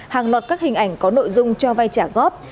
hàng lọt các hình ảnh có nội dung cho vai trả góp